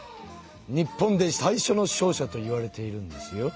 日本で最初の商社といわれているんですよ。